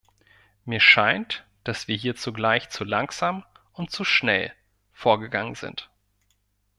Mir scheint, dass wir hier zugleich zu langsam und zu schnell vorgegangen sind.